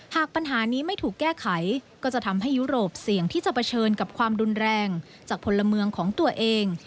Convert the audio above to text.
หากปัญหานี้ไม่ถูกแก้ไขก็จะทำให้ยุโรปเสี่ยงที่จะเผชิญกับความรุนแรงจากพลเมืองของตัวเอง